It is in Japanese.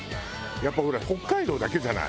やっぱりほら北海道だけじゃない？